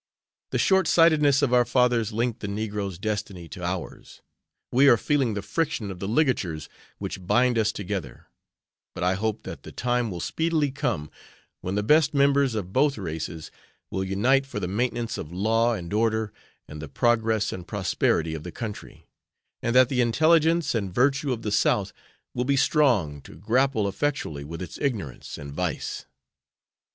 The short sightedness of our fathers linked the negro's destiny to ours. We are feeling the friction of the ligatures which bind us together, but I hope that the time will speedily come when the best members of both races will unite for the maintenance of law and order and the progress and prosperity of the country, and that the intelligence and virtue of the South will be strong to grapple effectually with its ignorance and vice."